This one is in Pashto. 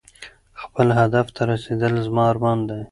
خپل هدف ته رسېدل زما ارمان دی.